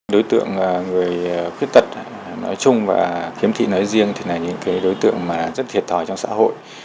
đối tượng người khuyết tật nói chung và khiếm thị nói riêng thì là những đối tượng rất thiệt thòi trong xã hội